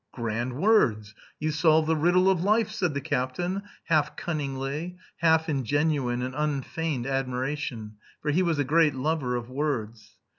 "Grand words! You solve the riddle of life!" said the captain, half cunningly, half in genuine and unfeigned admiration, for he was a great lover of words.